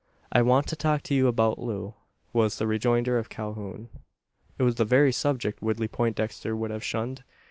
"I want to talk to you about Loo," was the rejoinder of Calhoun. It was the very subject Woodley Poindexter would have shunned.